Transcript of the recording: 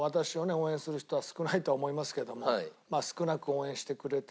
応援する人は少ないと思いますけれども少なく応援してくれてる方のためにね